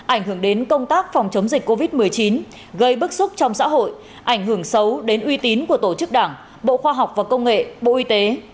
ảnh hưởng đến công tác phòng chống dịch covid một mươi chín gây bức xúc trong xã hội ảnh hưởng xấu đến uy tín của tổ chức đảng bộ khoa học và công nghệ bộ y tế